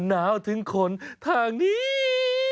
มันน้าวถึงขนทางนี้